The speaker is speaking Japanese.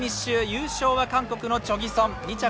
優勝は韓国のチョ・ギソン２着